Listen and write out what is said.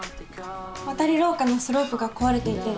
わたりろうかのスロープが壊れていて。